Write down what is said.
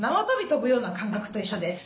跳ぶような感覚と一緒です。